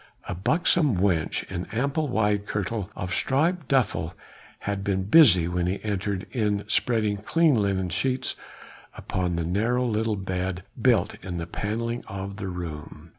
A buxom wench in ample wide kirtle of striped duffle, had been busy when he entered in spreading clean linen sheets upon the narrow little bed built in the panelling of the room.